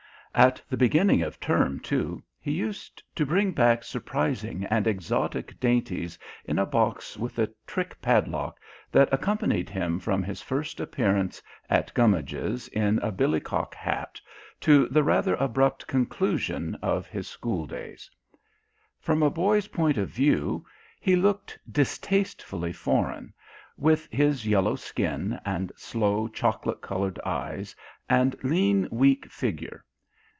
At the beginning of term, too, he used to bring back surprising and exotic dainties in a box with a trick padlock that accompanied him from his first appearance at Gummidge's in a billycock hat to the rather abrupt conclusion of his school days. From a boy's point of view he looked distastefully foreign, with his yellow skin, and slow chocolate coloured eyes, and lean weak figure.